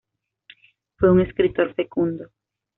Fue un escritor fecundo.